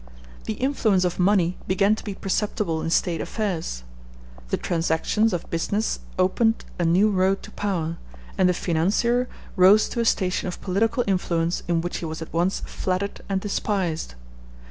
The influence of money began to be perceptible in State affairs. The transactions of business opened a new road to power, and the financier rose to a station of political influence in which he was at once flattered and despised.